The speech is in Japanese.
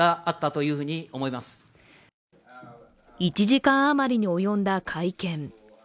１時間余りに及んだ会見。